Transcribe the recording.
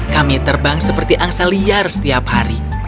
kami terbang seperti angsa liar setiap hari